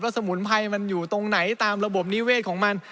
สมุนไพรมันอยู่ตรงไหนตามระบบนิเวศของมัน